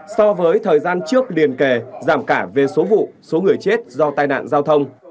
so với thời gian trước liên kề giảm cả về số vụ số người chết do tai nạn giao thông